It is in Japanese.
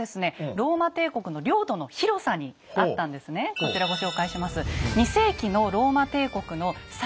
こちらご紹介します。